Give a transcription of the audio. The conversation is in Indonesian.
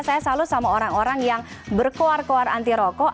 saya selalu sama orang orang yang berkuar kuar anti rokok